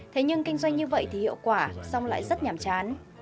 thế nhưng kinh doanh như vậy thì hiệu quả xong lại rất nhàm chán